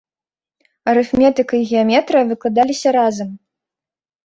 Арыфметыка і геаметрыя выкладаліся разам.